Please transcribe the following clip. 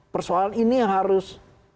persoalan ini harus